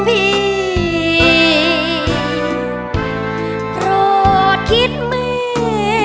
เพราะเธอชอบเมือง